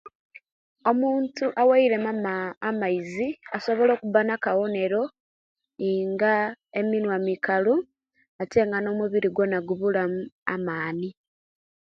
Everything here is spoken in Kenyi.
Omuntu aweiremu amaaa amaizi asobola okuba nakawomero inga emimuwa mikalu ate nga omubiri gwona gubulamu amaani